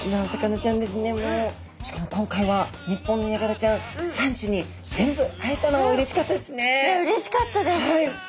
しかも今回は日本のヤガラちゃん３種に全部会えたのもうれしかったですね。